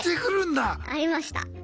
ありました。